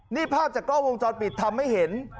นี่ภาพจากกล้องวงจรปิดทำให้เห็น